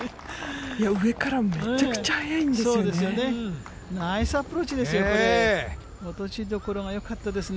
上からめちゃくちゃ速いんですよね。